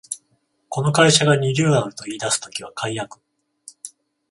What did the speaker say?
この会社がリニューアルと言いだす時は改悪